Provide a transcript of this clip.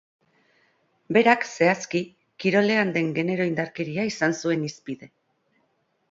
Berak, zehazki, kirolean den genero indarkeria izan zuen hizpide.